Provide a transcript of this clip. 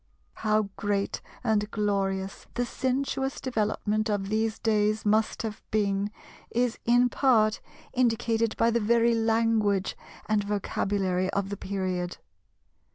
How great and glorious the sensuous development of these days must have been is in part indicated by the very language and vocabulary of the period.